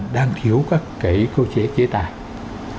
đang thiếu các cái cơ chế chế tài